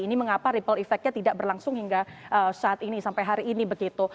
ini mengapa ripple effectnya tidak berlangsung hingga saat ini sampai hari ini begitu